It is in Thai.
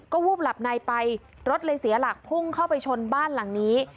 วูบหลับในไปรถเลยเสียหลักพุ่งเข้าไปชนบ้านหลังนี้